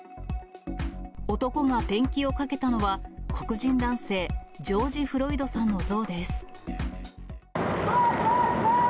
男がペンキをかけたのは、黒人男性、ジョージ・フロイドさんの像です。